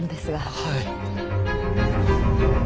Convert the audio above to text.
はい。